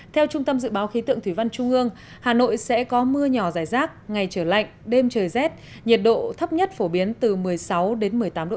theo trung tâm dự báo khí tượng thủy văn trung ương hà nội sẽ có mưa nhỏ dài rác ngày trời lạnh đêm trời rét nhiệt độ thấp nhất phổ biến từ một mươi sáu đến một mươi tám độ c